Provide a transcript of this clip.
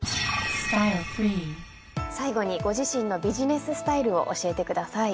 最後にご自身のビジネススタイルを教えてください。